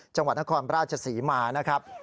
จังหวัดนครราชศรีมานะครับ